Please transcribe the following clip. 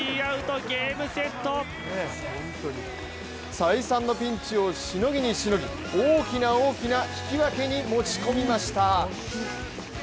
再三のピンチをしのぎにしのぎ、大きな大きな引き分けに持ち込みました。